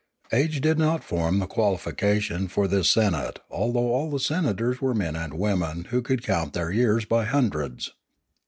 Age did not form the qualification for this senate although all the senators were men and women who could count their years by hundreds.